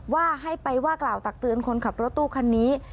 ว่าให้ไปว่ากล่าวตักเตือนคนขับรถตู้คันนี้